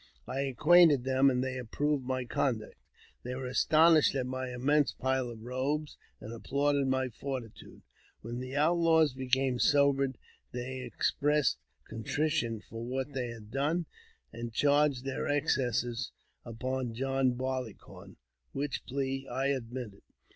I acquainted them, and they approved my conduct. They were astonished at my immense pile of robes, and applauded my fortitude. When the Outlaws became sobered, they expressed con trition for what they had done, and charged their excesses upon John Barleycorn, which plea I admitted.